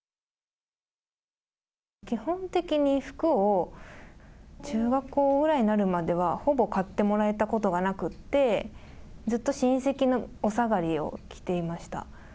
基本的に、服を中学校ぐらいになるまでは、ほぼ買ってもらえたことがなくって、ずっと親戚のお下がりを着ていました。